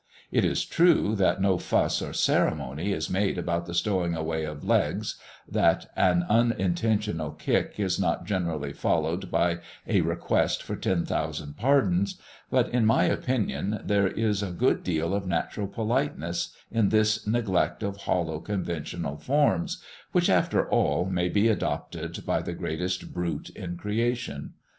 It is true that no fuss or ceremony is made about the stowing away of legs, that an unintentional kick is not generally followed by a request for ten thousand pardons; but, in my opinion, there is a good deal of natural politeness in this neglect of hollow conventional forms, which, after all, may be adopted by the greatest brute in creation.